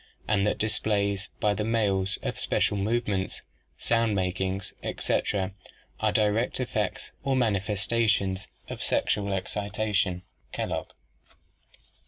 and that displays by the males of special movements, sound makings, etc., are direct effects or manifestations of sexual excita tion" (Kellogg).